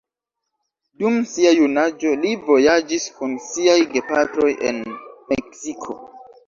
Dum sia junaĝo li vojaĝis kun siaj gepatroj en Meksiko.